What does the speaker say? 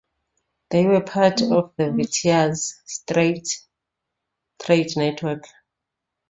They were part of the Vitiaz Strait trade network.